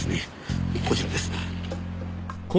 こちらです。